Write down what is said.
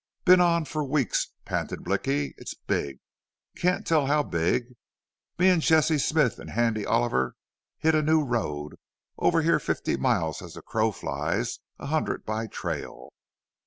"Been on for weeks!" panted Blicky. "It's big. Can't tell how big. Me an' Jesse Smith an' Handy Oliver hit a new road over here fifty miles as a crow flies a hundred by trail.